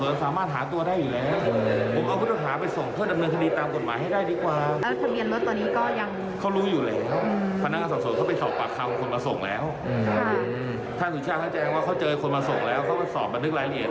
เขาสอบมานึกรายละเอียดแล้วแล้วหลักการเหตุผล